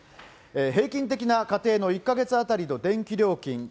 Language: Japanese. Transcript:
平均的な家庭の１か月当たりの電気料金。